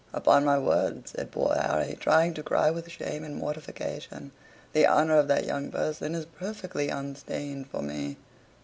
"Upon my word," said poor Harry, ready to cry with shame and mortification, "the honor of that young person is perfectly unstained for me."